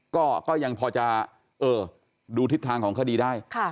ก็ยังพอจะดูทิศทางของคดีได้